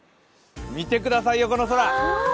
見てくださいよ、この空。